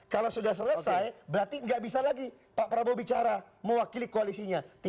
kalau sudah selesai berarti nggak bisa lagi pak prabowo bicara mewakili koalisinya